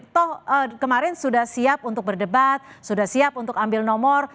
toh kemarin sudah siap untuk berdebat sudah siap untuk ambil nomor